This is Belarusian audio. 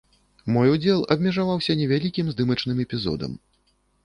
Мой удзел абмежаваўся невялікім здымачным эпізодам.